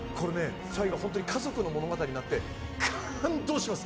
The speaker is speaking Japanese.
最後、本当に家族の物語になって感動します。